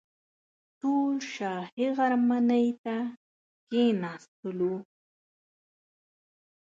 ټول شاهي غرمنۍ ته کښېنستلو.